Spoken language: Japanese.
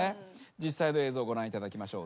実際の映像ご覧いただきましょう。